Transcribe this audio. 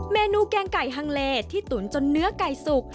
เมนูแกงไก่ฮังเลที่ตุ๋นจนเนื้อไก่สุก